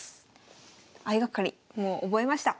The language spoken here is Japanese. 相掛かりもう覚えました。